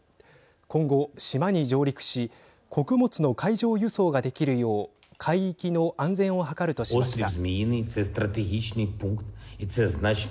今後、島に上陸し穀物の海上輸送ができるよう海域の安全を図るとしました。